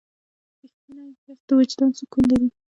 • رښتینی کس د وجدان سکون لري.